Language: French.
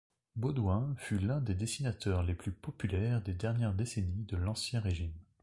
Baudouin fut l’un des dessinateurs les plus populaires des dernières décennies de l’Ancien Régime.